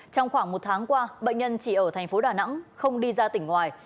trong khoảng một tháng qua bệnh nhân chỉ ở tp đà nẵng không đi ra tỉnh ngoài